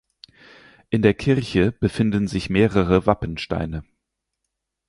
In der Kirche befinden sich mehrere Wappensteine.